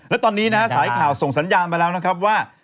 และตอนนี้นะฮะสายข่าวส่งสัญญาณไปแล้วนะครับว่า